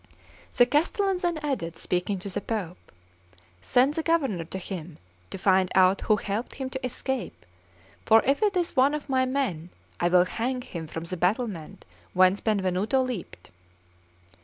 The castellan then added, speaking to the Pope: "Send the Governor to him to find out who helped him to escape; for if it is one of my men, I will hang him from the battlement whence Benvenuto leaped."